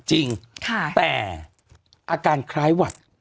จริงแต่อาการคล้ายหวัด